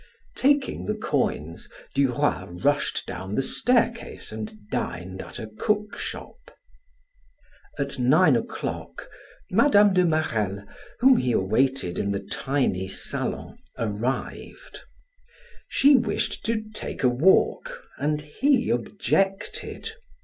Taking the coins, Duroy rushed down the staircase and dined at a cookshop. At nine o'clock, Mme. de Marelle, whom he awaited in the tiny salon, arrived. She wished to take a walk and he objected.